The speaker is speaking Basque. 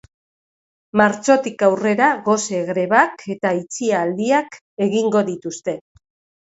Martxotik aurrera gose grebak eta itxialdiak egingo dituzte.